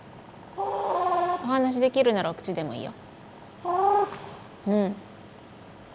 お話しできるならお口でもいいよ。